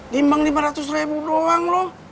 dibang lima ratus ribu doang